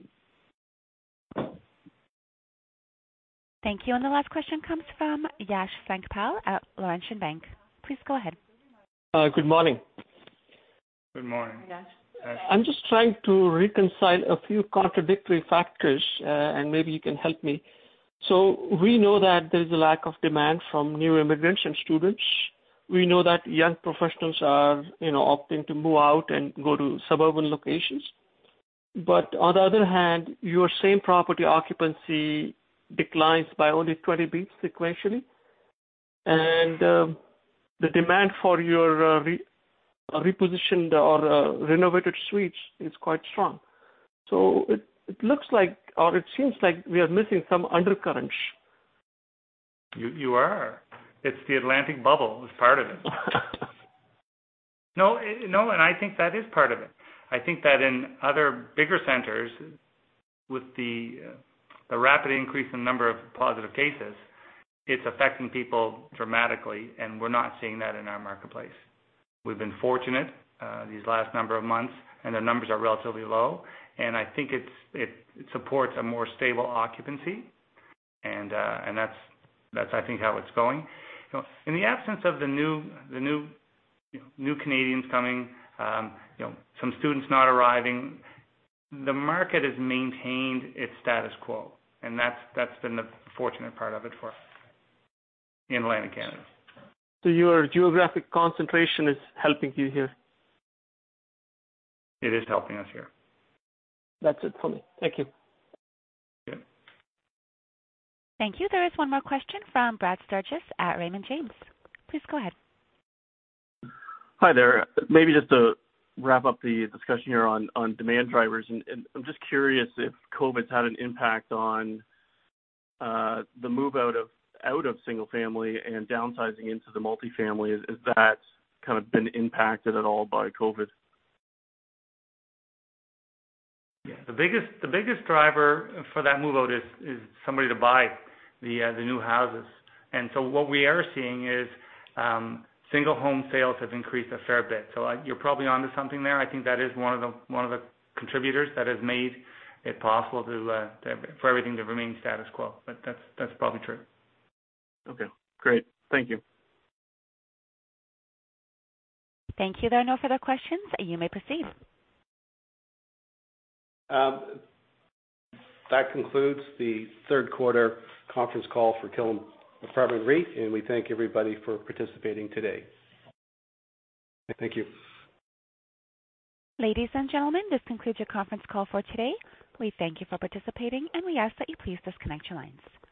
Thank you. The last question comes from Yash Sankpal at Laurentian Bank. Please go ahead. Good morning. Good morning. I'm just trying to reconcile a few contradictory factors, and maybe you can help me. We know that there's a lack of demand from new immigrants and students. We know that young professionals are opting to move out and go to suburban locations. On the other hand, your same-property occupancy declines by only 20 basis points sequentially, and the demand for your repositioned or renovated suites is quite strong. It looks like, or it seems like we are missing some undercurrent. You are. It's the Atlantic Bubble is part of it. No, I think that is part of it. I think that in other bigger centers, with the rapid increase in number of positive cases, it's affecting people dramatically, and we're not seeing that in our marketplace. We've been fortunate these last number of months, and the numbers are relatively low, and I think it supports a more stable occupancy, and that's, I think, how it's going. In the absence of the new Canadians coming, some students not arriving, the market has maintained its status quo, and that's been the fortunate part of it for us in Atlantic Canada. Your geographic concentration is helping you here? It is helping us here. That's it for me. Thank you. Okay. Thank you. There is one more question from Brad Sturges at Raymond James. Please go ahead. Hi there. Maybe just to wrap up the discussion here on demand drivers, I'm just curious if COVID's had an impact on the move out of single family and downsizing into the multifamily. Has that kind of been impacted at all by COVID? Yeah. The biggest driver for that move-out is somebody to buy the new houses. What we are seeing is single home sales have increased a fair bit. You're probably onto something there. I think that is one of the contributors that has made it possible for everything to remain status quo. That's probably true. Okay, great. Thank you. Thank you. There are no further questions. You may proceed. That concludes the third quarter conference call for Killam Apartment REIT, and we thank everybody for participating today. Thank you. Ladies and gentlemen, this concludes your conference call for today. We thank you for participating, and we ask that you please disconnect your lines.